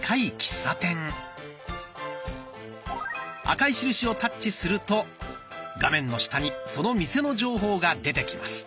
赤い印をタッチすると画面の下にその店の情報が出てきます。